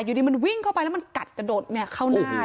อยู่ดีมันวิ่งเข้าไปแล้วมันกัดกระโดดเข้าหน้า